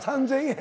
３，０００円。